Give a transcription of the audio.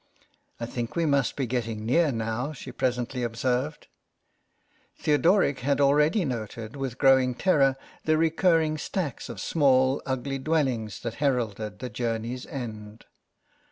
" I think we must be getting near now," she presently observed. Theodoric had already noted with growing terror the recurring stacks of small, ugly dwellings that heralded the journey's end.